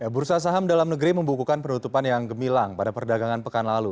bursa saham dalam negeri membukukan penutupan yang gemilang pada perdagangan pekan lalu